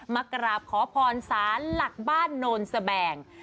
มากราบขอพรสาห์หลักบ้านโนลด์แสบง